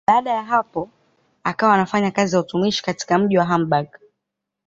Baada ya hapo akawa anafanya kazi ya utumishi katika mji wa Hamburg.